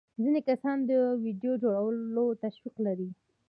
ځینې کسان د ویډیو جوړولو شوق لري.